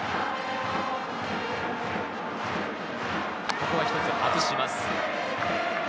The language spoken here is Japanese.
ここは一つ外します。